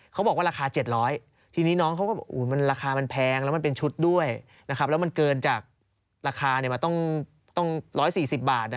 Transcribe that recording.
เขาบอกว่าราคา๗๐๐ทีนี้น้องเขาก็ราคามันแพงแล้วมันเป็นชุดด้วยนะครับแล้วมันเกินจากราคามาต้อง๑๔๐บาท